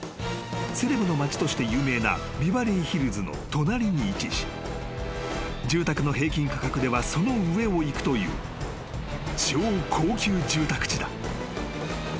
［セレブの町として有名なビバリーヒルズの隣に位置し住宅の平均価格ではその上をいくという超高級住宅地だ］